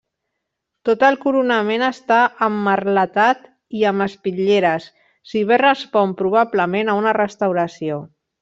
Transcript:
Tot el coronament està emmerletat i amb espitlleres, si bé respon probablement a una restauració.